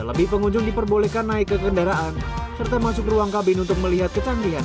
lebih pengunjung diperbolehkan naik ke kendaraan serta masuk ruang kabin untuk melihat kecanggihan